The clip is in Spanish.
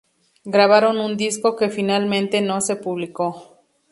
Grabaron un disco que finalmente no se publicó.